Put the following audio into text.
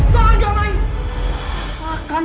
salah gak main